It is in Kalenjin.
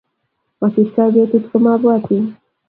Masirtoi betut komabwatin